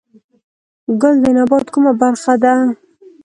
ګل د نبات کومه برخه ده؟